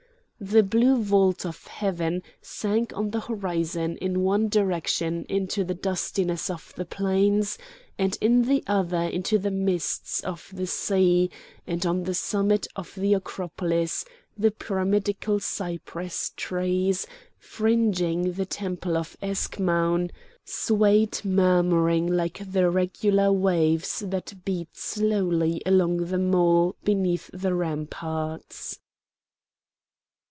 The blue vault of heaven sank on the horizon in one direction into the dustiness of the plains, and in the other into the mists of the sea, and on the summit of the Acropolis, the pyramidal cypress trees, fringing the temple of Eschmoun, swayed murmuring like the regular waves that beat slowly along the mole beneath the ramparts.